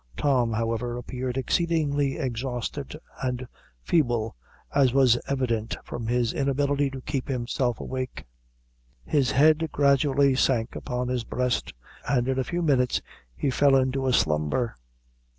Tom, however, appeared exceedingly exhausted and feeble, as was evident from his inability to keep himself awake. His head gradually sank upon his breast, and in a few minutes he fell into a slumber.